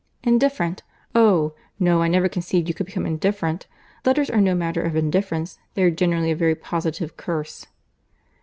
"Indifferent! Oh! no—I never conceived you could become indifferent. Letters are no matter of indifference; they are generally a very positive curse."